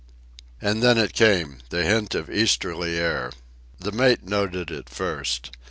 And then it came—the hint of easterly air. The mate noted it first.